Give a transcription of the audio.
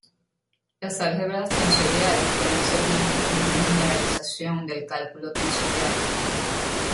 Las álgebras tensoriales pueden ser vistas como una generalización del cálculo tensorial.